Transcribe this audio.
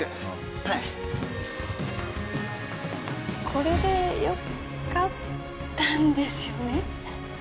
これでよかったんですよね？